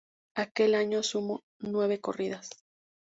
Aquel año sumó nueve corridas.